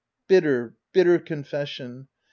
Bitter, bitter confession !